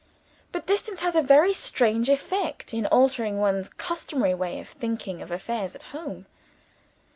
But distance has a very strange effect in altering one's customary way of thinking of affairs at home.